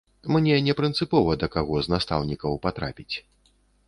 Мне не прынцыпова, да каго з настаўнікаў патрапіць.